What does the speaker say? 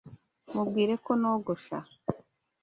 Mubwire ko nogosha.